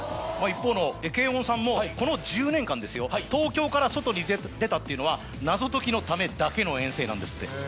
一方のけーおんさんもこの１０年間ですよ東京から外に出たっていうのは謎解きのためだけの遠征なんですって。